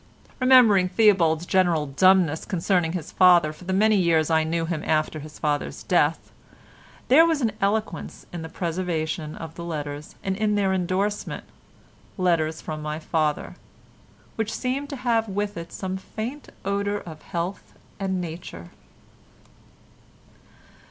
Remembering Theobald's general dumbness concerning his father for the many years I knew him after his father's death, there was an eloquence in the preservation of the letters and in their endorsement "Letters from my father," which seemed to have with it some faint odour of health and nature.